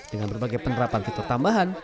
dengan berbagai penerapan fitur tambahan